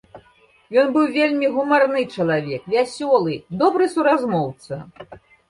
Ён быў вельмі гумарны чалавек, вясёлы, добры суразмоўца.